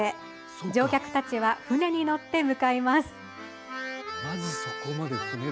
乗客たちは船に乗って向かいます。